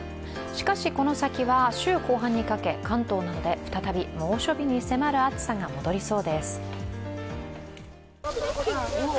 しかし、この先は週後半にかけ、関東などで再び猛暑日に迫る暑さが戻りそうです。